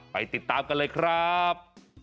ไปติดตามกันเลยครับ